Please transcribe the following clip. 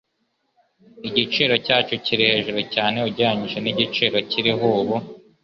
Igiciro cyacu kiri hejuru cyane ugereranije nigiciro kiriho ubu